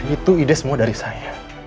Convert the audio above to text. itu ide semua dari saya